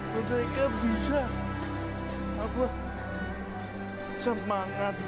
mereka bisa semangat